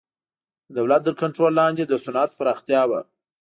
د دولت تر کنټرول لاندې د صنعت پراختیا و.